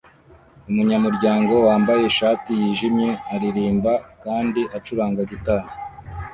Umunyamurwango wambaye ishati yijimye aririmba kandi acuranga gitari